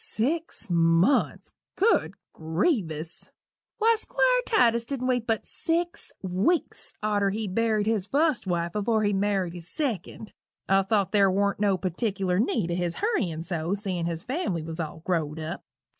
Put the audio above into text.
Six months! Good grievous! Why, Squire Titus dident wait but six weeks arter he buried his fust wife afore he married his second. I thought ther wa'n't no partickler need o' his hurryin' so, seein' his family was all grow'd up.